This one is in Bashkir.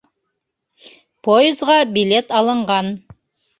Поезға билет алынған!